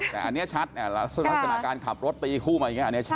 แต่อันนี้ชัดลักษณะการขับรถตีคู่มาอันนี้ชัด